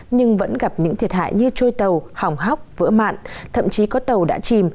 nhưng vẫn gặp những thiệt hại như trôi tàu hỏng hóc vỡ mạn thậm chí có tàu đã chìm